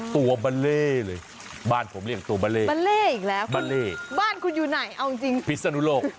ตัวบาเล่เลยบ้านผมเรียกตัวบาเล่บะเล่อีกแล้วค่ะบัลเล่บ้านคุณอยู่ไหนเอาจริงพิศนุโลก